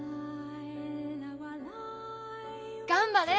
頑張れ！